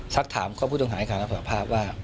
ศักดิ์ถามก็พูดถึงหายการรับสภาพว่า